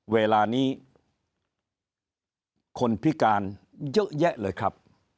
เวลานี้คนพิการเยอะแยะเลยครับ